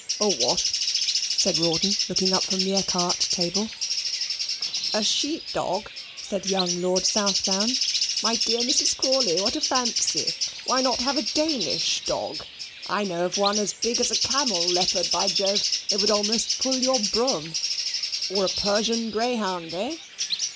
"A what?" said Rawdon, looking up from an ecarte table. "A sheep dog!" said young Lord Southdown. "My dear Mrs. Crawley, what a fancy! Why not have a Danish dog? I know of one as big as a camel leopard, by Jove. It would almost pull your brougham. Or a Persian greyhound, eh?